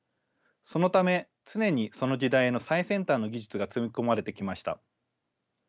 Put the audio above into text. そのため常にその時代の最先端の技術がつぎ込まれてきました。